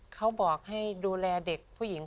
เขาบอกให้ดูแลเด็กผู้หญิง